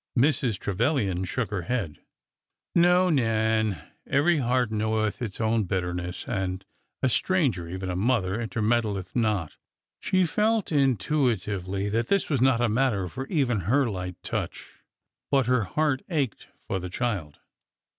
Mrs. Trevilian shook her head. No, Nan ;' every heart knoweth its own bitterness, and a stranger '—even a mother —' intermeddleth not.' " She felt intuitively that this was not a matter for even her light touch. But her heart ached for the child.